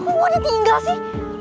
ih kok gue udah tinggal sih